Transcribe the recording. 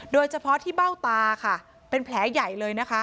โดยเฉพาะที่เบ้าตาค่ะเป็นแผลใหญ่เลยนะคะ